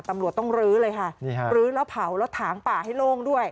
ตำรวจต้องลื้อเลยค่ะนี่ฮะรื้อแล้วเผาแล้วถางป่าให้โล่งด้วย